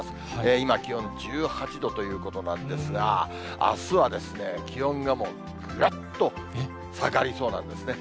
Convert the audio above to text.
今、気温１８度ということなんですが、あすは気温がもう、ぐっと下がりそうなんですね。